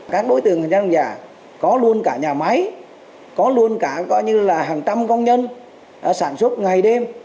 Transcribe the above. các đối tượng hình ảnh giả có luôn cả nhà máy có luôn cả hàng trăm công nhân sản xuất ngày đêm